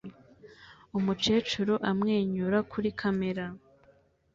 umukecuru amwenyura kuri kamera